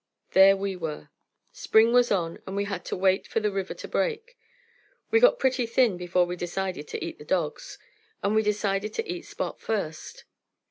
There we were. Spring was on, and we had to wait for the river to break. We got pretty thin before we decided to eat the dogs, and we decided to eat Spot first.